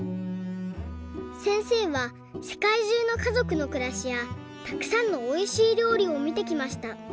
せんせいはせかいじゅうのかぞくのくらしやたくさんのおいしいりょうりをみてきました。